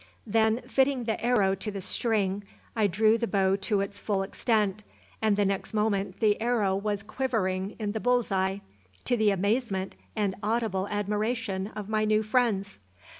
Then, fitting the arrow to the string, I drew the bow to its full extent, and the next moment the arrow was quivering in the bull's eye, to the amazement and audible admiration of my new friends.